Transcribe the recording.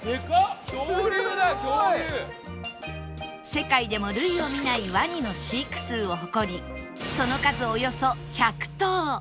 世界でも類を見ないワニの飼育数を誇りその数およそ１００頭